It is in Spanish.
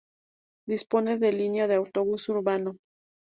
Dispone de línea de autobús urbano.